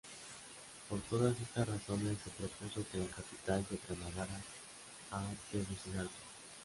Por todas estas razones se propuso que la capital se trasladara a Tegucigalpa.